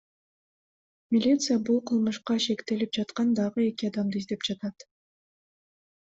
Милиция бул кылмышка шектелип жаткан дагы эки адамды издеп жатат.